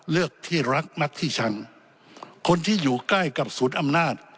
เลือกที่รักมัดที่ชังคนที่อยู่ใกล้กับศูนย์อำนาจ